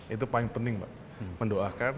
itu paling penting mendoakan